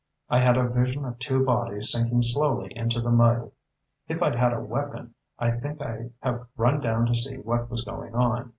I had a vision of two bodies sinking slowly into the mud. If I'd had a weapon, I think I'd have run down to see what was going on.